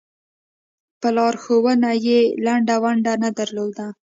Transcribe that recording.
په لارښوونه کې یې لویه ونډه نه درلوده.